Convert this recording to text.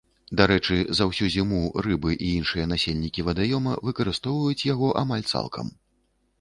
Дарэчы, за ўсю зіму рыбы і іншыя насельнікі вадаёма выкарыстоўваюць яго амаль цалкам.